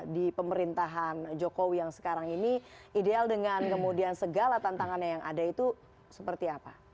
di pemerintahan jokowi yang sekarang ini ideal dengan kemudian segala tantangannya yang ada itu seperti apa